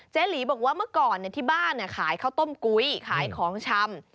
หลีบอกว่าเมื่อก่อนที่บ้านขายข้าวต้มกุ้ยขายของชำ